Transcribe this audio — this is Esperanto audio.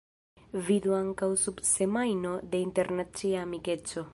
Vidu ankaŭ sub Semajno de Internacia Amikeco.